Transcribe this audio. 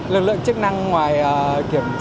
lực lượng chức năng ngoài kiểm tra